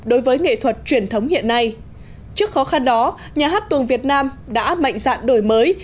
đối với nghệ thuật truyền thống hiện nay trước khó khăn đó nhà hát tuồng việt nam đã mạnh dạn đổi mới